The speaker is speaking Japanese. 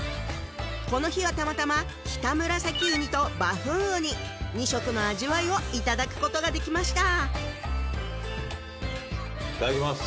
この日はたまたまキタムラサキウニとバフンウニ２色の味わいをいただくことができましたいただきます